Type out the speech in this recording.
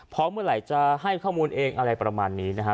เพราะเมื่อไหร่จะให้ข้อมูลเองอะไรประมาณนี้นะฮะ